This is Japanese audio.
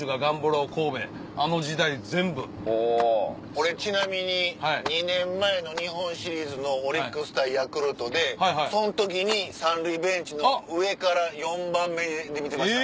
俺ちなみに２年前の日本シリーズのオリックス対ヤクルトでそん時に三塁ベンチの上から４番目で見てました。